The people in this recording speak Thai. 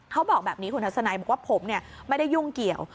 เขาบอกแบบนี้คุณทัศนัยบอกว่าผมไม่ได้ยุ่งเกี่ยว